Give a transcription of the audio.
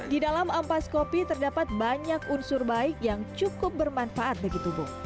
di dalam ampas kopi terdapat banyak unsur baik yang cukup bermanfaat bagi tubuh